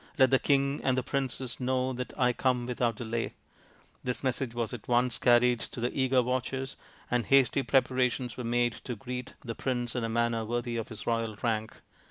Let the king and the princess know that I come without delay." This message was at once carried to the eager watchers, and hasty preparations were made to greet the prince in a manner worthy of his royal rank.